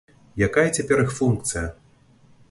Якая цяпер іх функцыя?